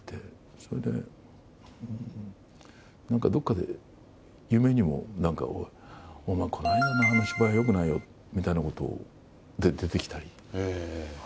それで、なんかどこかで夢にもなんか、お前、この間のあの芝居よくないよみたいなことで出てきたり。